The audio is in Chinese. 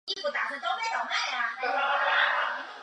旧型号的准星没有护翼。